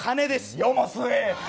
世も末！